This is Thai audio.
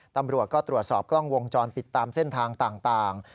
ตำรวจก็ตรวจสอบกล้องวงจรปิดตามเส้นทางต่าง